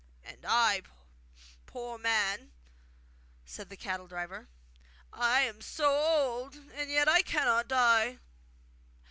'And I, poor man,' said the cattle driver, 'I am so old and yet I cannot die!